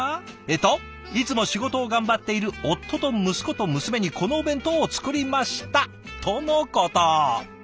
えっと「いつも仕事を頑張っている夫と息子と娘にこのお弁当を作りました」とのこと。